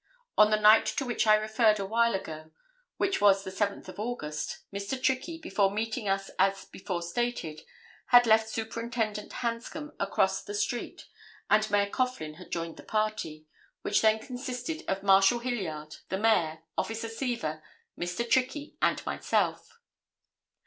On the night to which I referred awhile ago, which was the 7th of August, Mr. Trickey, before meeting us as before stated, had left Superintendent Hanscom across the street and Mayor Coughlin had joined the party, which then consisted of Marshal Hilliard, the Mayor, Officer Seaver, Mr. Trickey and myself.